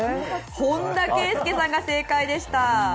本田圭佑さんが正解でした。